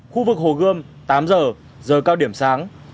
khu vực hồ gươm tám giờ giờ cao điểm sáng